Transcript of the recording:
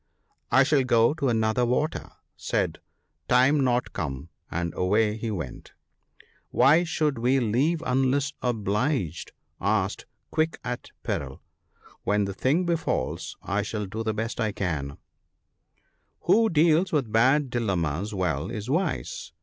' I shall go to another water/ said " Time not come," and away he went. ' Why should we leave unless obliged ?" asked " Quick at peril." * When the thing befalls I shall do the best I can, —*' Who deals with bad dilemmas well, is wise.